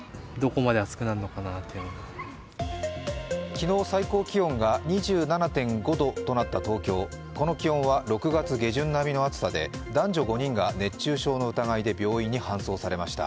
昨日最高気温が２７．５度となった東京、この気温は６月下旬並みの暑さで男女５人が熱中症の疑いで病院に搬送されました。